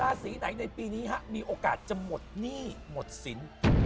สีไหนในปีนี้มีโอกาสจะหมดหนี้หมดสิน